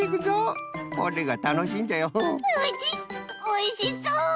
おいしそう！